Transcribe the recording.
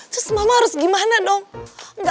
terus mama harus gimana dong